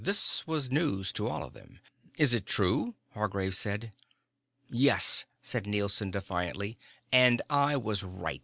This was news to all of them. "Is this true?" Hargraves said. "Yes," said Nielson defiantly. "And I was right.